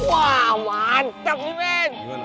wah mantap nih men